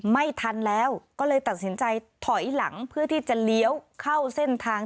ไม่ทันแล้วก็เลยตัดสินใจถอยหลังเพื่อที่จะเลี้ยวเข้าเส้นทาง